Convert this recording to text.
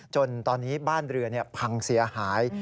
จนตอนนี้บ้านเรือพังเสียหาย